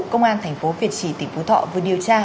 công an tp việt trì tỉnh phú thọ vừa điều tra